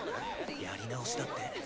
やり直しだって。